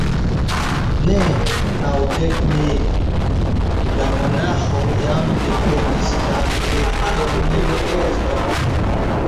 Ne, naŭdek mil: la monaĥo jam deprenis la dekonimposton.